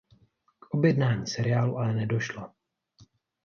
K objednání seriálu ale nedošlo.